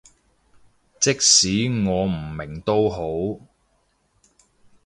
即使我唔明都好